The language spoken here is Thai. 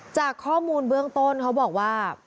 จากข้อมูลเบื้องต้นเขาบอกว่า